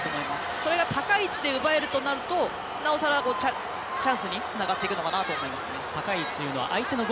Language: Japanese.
それが高い位置で奪えるとなるとなおさら、チャンスにつながっていくのかなと思います。